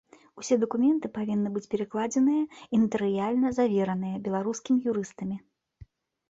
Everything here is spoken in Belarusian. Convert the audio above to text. Усе дакументы павінны быць перакладзеныя і натарыяльна завераныя беларускімі юрыстамі.